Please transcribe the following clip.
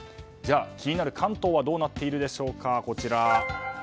じゃあ気になる関東はどうなっているでしょうか。